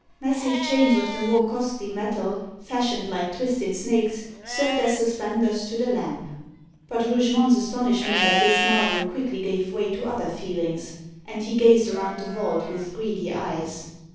Massive chains of the more costly metal, fashioned like twisted snakes, served as suspenders to the lamp. But Rougemont's astonishment at this marvel quickly gave way to other feelings, and he gazed around the vault with greedy eyes.